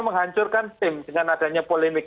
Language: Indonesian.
menghancurkan tim dengan adanya polemik